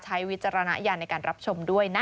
ใช้วิจารณาอย่างในการรับชมด้วยนะ